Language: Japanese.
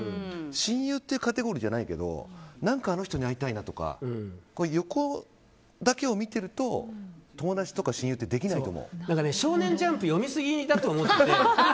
親友っていうカテゴリーじゃないけどなんかあの人に会いたいなとか横だけを見てると「少年ジャンプ」読みすぎだと思って。